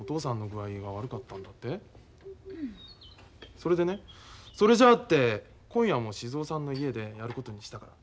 それでねそれじゃあって今夜も静尾さんの家でやることにしたから。